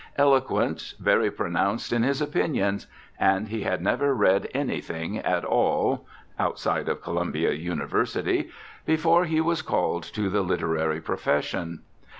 eloquent, very pronounced in his opinions; and he had never read anything at all (outside of Columbia University) before he was called to the literary profession.